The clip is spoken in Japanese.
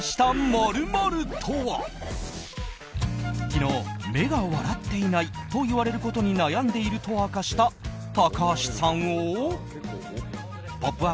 昨日、目が笑っていないと言われることに悩んでいると明かした高橋さんを「ポップＵＰ！」